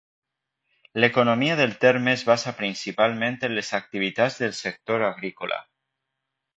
L'economia del terme es basa principalment en les activitats del sector agrícola.